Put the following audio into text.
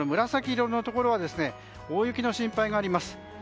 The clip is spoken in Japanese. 紫色のところは大雪の心配があります。